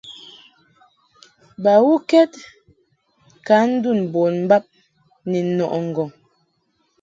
Bawukɛd ka ndun bon bab ni nɔʼɨ ŋgɔŋ.